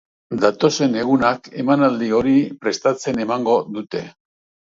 Datozen egunak emanaldi hori prestatzen emango dute.